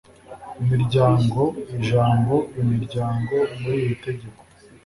Imiryango Ijambo imiryango muri iri tegeko